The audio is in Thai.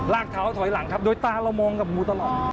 กเท้าถอยหลังครับโดยตาเรามองกับงูตลอด